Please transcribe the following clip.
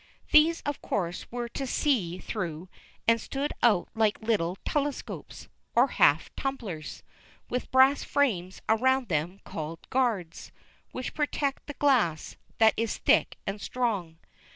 These, of course, were to see through, and stood out like little telescopes, or half tumblers, with brass frames around them called "guards" which protect the glass, that is thick and strong.